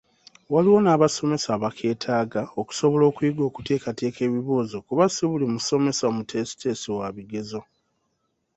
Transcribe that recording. Waliwo n'abasomesa abakeetaaga okusobola okuyiga okuteekateeka ebibuuzo kuba ssi buli musomesa muteesiteesi wa bigezo.